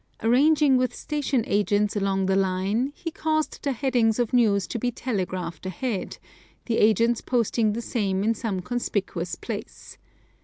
Arranging with station agents along the line, he caused the headings of news to be telegraphed ahead, the agents posting the same in some conspicuous place.